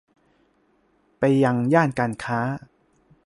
ไปยังย่านการค้า